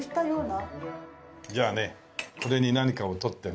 じゃあねこれに何かを取ってね。